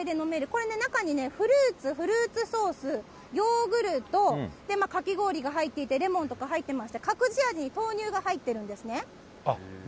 これね、中にね、フルーツ、フルーツソース、ヨーグルト、かき氷が入っていて、レモンとか入ってまして、隠し味に豆乳が入ってるんですね。